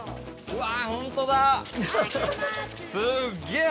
うわ。